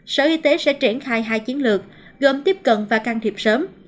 sở y tế sẽ triển khai hai chiến lược gồm tiếp cận và can thiệp sớm